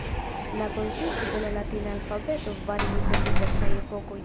La konsisto de la latina alfabeto variis en diversaj epokoj.